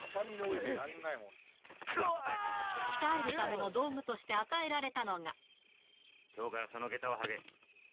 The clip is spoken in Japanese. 鍛えるための道具として与えられきょうからそのげたを履け。